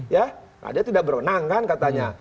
ya nah dia tidak berenang kan katanya